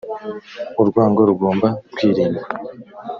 urwango rugomba kwirindwa.